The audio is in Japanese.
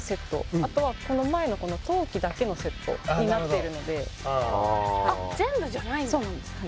あとはこの前の陶器だけのセットになってるので全部じゃないんだ・そうなんです